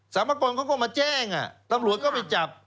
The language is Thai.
พากรเขาก็มาแจ้งตำรวจก็ไปจับ